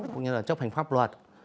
cũng như là chấp hành pháp luật